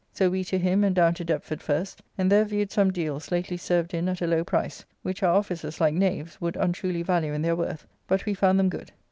So we to him, and down to Deptford first, and there viewed some deals lately served in at a low price, which our officers, like knaves, would untruly value in their worth, but we found them good.